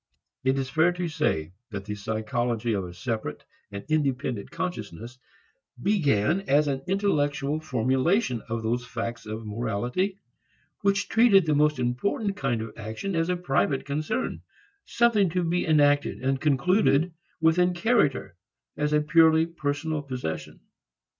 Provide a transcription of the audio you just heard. It is fair to say that the psychology of a separate and independent consciousness began as an intellectual formulation of those facts of morality which treated the most important kind of action as a private concern, something to be enacted and concluded within character as a purely personal possession.